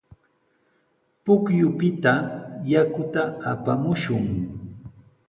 Pukyupita yakuta apamushun.